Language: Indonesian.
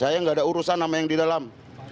saya nggak ada urusan sama yang di dalam